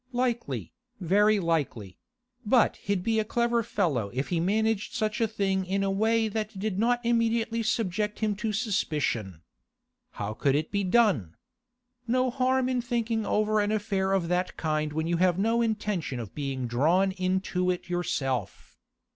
Likely, very likely; but he'd be a clever fellow if he managed such a thing in a way that did not immediately subject him to suspicion. How could it be done? No harm in thinking over an affair of that kind when you have no intention of being drawn into it yourself.